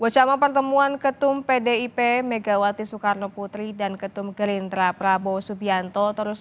bersama pertemuan ketum pdip megawati soekarno putri dan ketum gerindra prabowo subianto terus